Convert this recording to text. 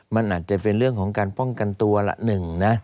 มันอาจจะเป็นเรื่องของการป้องกันตัวละหนึ่งนะ